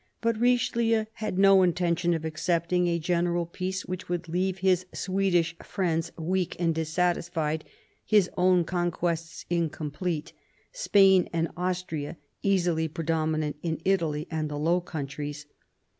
But Richelieu had no intention of accepting a general peace which would leave his Swedish friends weak and dissatisfied, his own conquests incomplete, Spain and Austria easily predominant in Italy and the Low Countries.